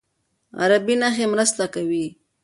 عربي نښې مرسته کوي.